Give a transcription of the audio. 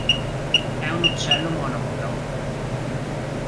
È un uccello monogamo.